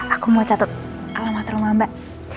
aku mau catet alamat rumah mbak